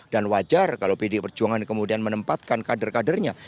dan wajar kalau pd perjuangan kemudian menempatkan kader kadernya